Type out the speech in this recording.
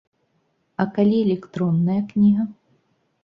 А калі электронная кніга?